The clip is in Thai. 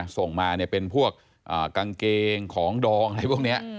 ส่งมาเป็นพวกกางเกงของดองอะไรพวกนี้